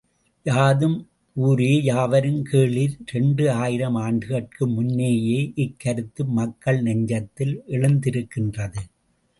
யாதும் ஊரே யாவரும் கேளிர் இரண்டு ஆயிரம் ஆண்டுகட்கு முன்னேயே இக்கருத்து மக்கள் நெஞ்சத்தில் எழுந்திருக்கின்றது.